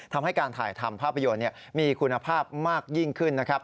ทำให้การถ่ายทำภาพยนตร์มีคุณภาพมากยิ่งขึ้นนะครับ